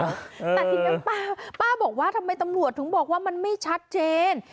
แต่ทีนี้ป้าบอกว่าทำไมตำรวจถึงบอกว่ามันไม่ชัดเจน